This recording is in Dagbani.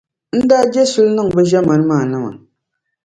n daa je suli niŋ bɛ ʒiɛmani maa nima.